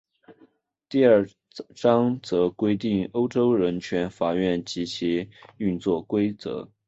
第二章则规定欧洲人权法院及其运作规则。